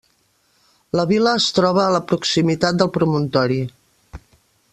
La vila es troba a la proximitat del promontori.